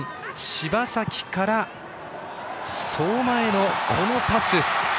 柴崎から、相馬へのこのパス。